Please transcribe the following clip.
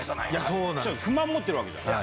不満持ってるわけじゃん。